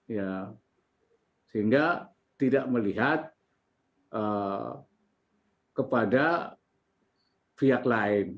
ya sehingga tidak melihat kepada pihak lain